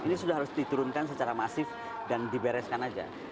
ini sudah harus diturunkan secara masif dan dibereskan saja